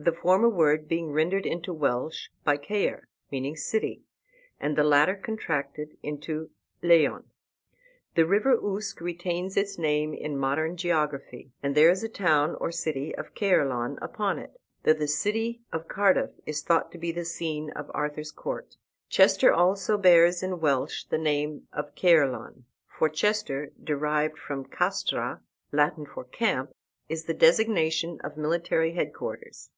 The former word being rendered into Welsh by Caer, meaning city, and the latter contracted into lleon. The river Usk retains its name in modern geography, and there is a town or city of Caerleon upon it, though the city of Cardiff is thought to be the scene of Arthur's court. Chester also bears in Welsh the name of Caerleon; for Chester, derived from castra, Latin for camp, is the designation of military headquarters.